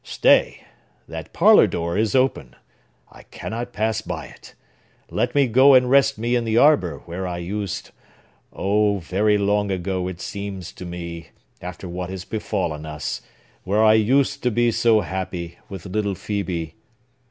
Stay! That parlor door is open. I cannot pass by it! Let me go and rest me in the arbor, where I used,—oh, very long ago, it seems to me, after what has befallen us,—where I used to be so happy with little Phœbe!"